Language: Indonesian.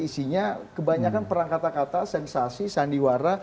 isinya kebanyakan perang kata kata sensasi sandiwara